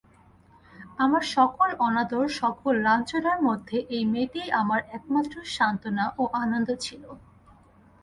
আমার সকল অনাদর সকল লাঞ্ছনার মধ্যে এই মেয়েটিই আমার একমাত্র সান্ত্বনা ও আনন্দ ছিল।